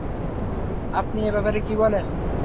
আপনি এ ব্যাপারে কী বলেন?